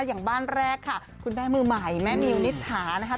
อย่างบ้านแรกค่ะคุณแม่มือใหม่แม่มิวนิษฐานะคะ